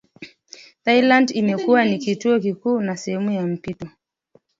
Thailand imekuwa ni kituo kikuu na sehemu ya mpito